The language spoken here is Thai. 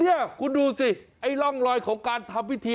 นี่คุณดูสิไอ้ร่องรอยของการทำพิธี